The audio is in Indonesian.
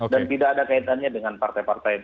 dan tidak ada kaitannya dengan partai partai